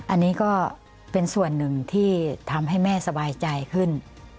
อันนี้ก็เป็นส่วนหนึ่งที่ทำให้แม่สบายใจขึ้น